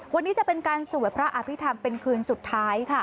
วันนี้จะเป็นการสวดพระอภิษฐรรมเป็นคืนสุดท้ายค่ะ